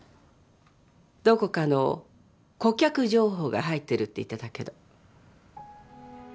どこかの顧客情報が入ってるって言ってたけど。